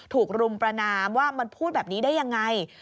ถูกรุมประนามว่ามันพูดแบบนี้ได้ยังไง